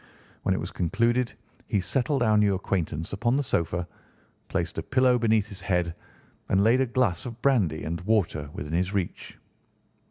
When it was concluded he settled our new acquaintance upon the sofa, placed a pillow beneath his head, and laid a glass of brandy and water within his reach.